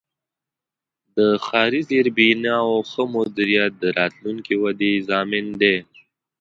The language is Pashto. د ښاري زیربناوو ښه مدیریت د راتلونکې ودې ضامن دی.